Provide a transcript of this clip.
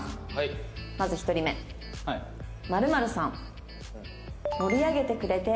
「まず１人目○○さん」